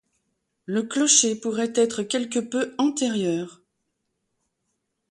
Le clocher pourrait être quelque peu antérieur.